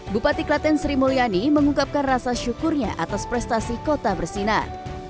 bupati klaten sri mulyani mengungkapkan rasa syukurnya atas prestasi kota bersinar